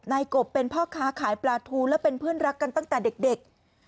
นายกบเป็นพ่อค้าขายปลาทูและเป็นเพื่อนรักกันตั้งแต่เด็ก